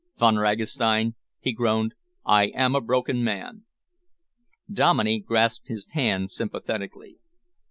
"Von Ragastein," he groaned, "I am a broken man!" Dominey grasped his hand sympathetically.